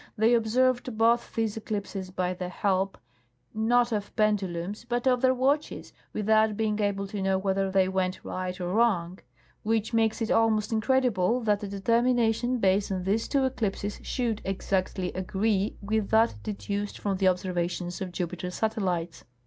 Thej^ observed both these eclipses by the help, not of pen dulums, but of their watches, without being able to know whether they went right or wrong ; which makes it almost incredible that a determina tion based on these two eclipses should exactly agree with that deduced from the observations of Jupiter's satellites."